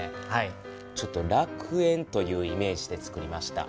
ちょっと楽園というイメージでつくりました。